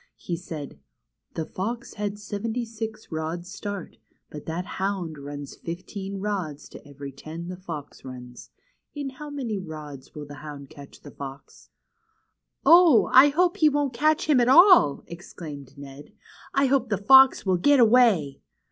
He said : The fox had seventy six rods' start, but that hound runs fifteen rods to every ten the fox runs. In how many rods will the hound catch the fox?" Oh ! I hope he won't catch him at all," exclaimed Ned. I hope the fox will get away